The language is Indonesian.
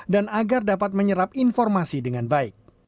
dan agar dapat menyerap informasi dengan baik